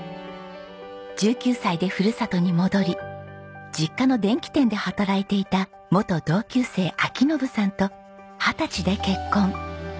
１９歳でふるさとに戻り実家の電気店で働いていた元同級生章伸さんと二十歳で結婚。